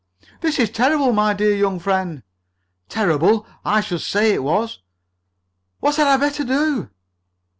"That is terrible, my dear young friend!" "Terrible! I should say it was!" "What had I better do?"